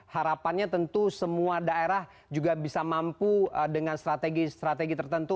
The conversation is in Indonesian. harapannya tentu semua daerah juga bisa mampu dengan strategi strategi tertentu